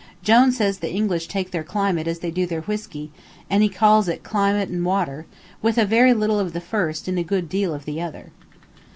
Jone says the English take their climate as they do their whiskey; and he calls it climate and water, with a very little of the first and a good deal of the other.